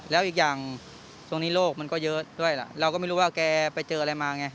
แล้วอีกอย่างช่วงนี้โลกมันก็เยอะด้วยล่ะเราก็ไม่รู้ว่าแกไปเจออะไรมาไง